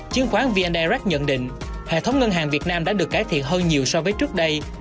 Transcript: chiến khoán vn direct nhận định hệ thống ngân hàng việt nam đã được cải thiện hơn nhiều so với trước đây